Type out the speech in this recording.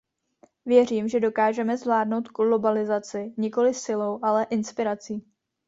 Věřím, že dokážeme zvládnout globalizaci nikoliv silou, ale inspirací.